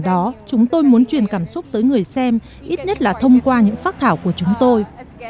đó chúng tôi muốn truyền cảm xúc tới người xem ít nhất là thông qua những phác thảo của chúng tôi